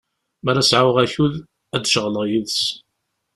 Mi ara sɛuɣ akud, ad d-ceɣleɣ yid-s.